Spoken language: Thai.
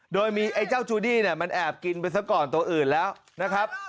โดยมีไอ้เจ้าจูดี้เนี่ยมันแอบกินไปซะก่อนตัวอื่นแล้วนะครับ